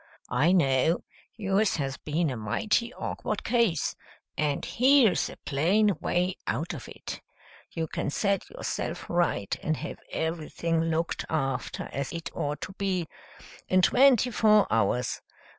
I know yours has been a mighty awkward case, and here's a plain way out of it. You can set yourself right and have everything looked after as it ought to be, in twenty four hours.